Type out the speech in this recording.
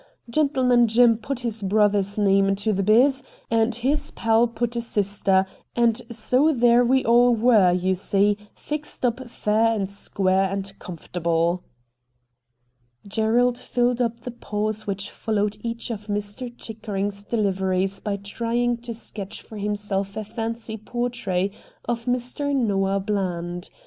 Gentleman Jim put his brother's name into the " biz." and his pal put a sister, and so there we all were, you see, fixed up fair and square and comfortable.' Gerald filled up the pause which followed each of Mr. Chickering's deliveries by trying to sketch for himself a fancy portrait of Mr. Noah Bland.